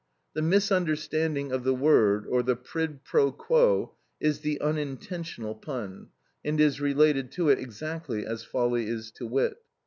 The misunderstanding of the word or the quid pro quo is the unintentional pun, and is related to it exactly as folly is to wit.